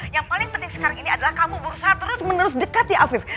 yang paling penting sekarang ini adalah kamu berusaha terus menerus dekati hafif